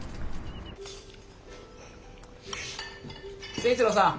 誠一郎さん